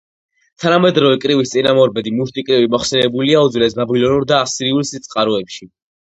თანამედროვე კრივის წინამორბედი - მუშტი კრივი მოხსენიებულია უძველეს ბაბილონურ და ასირიულ წყაროებში